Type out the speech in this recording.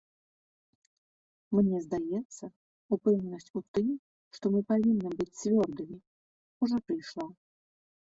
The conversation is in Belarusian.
Мне здаецца, упэўненасць у тым, што мы павінны быць цвёрдымі, ужо прыйшла.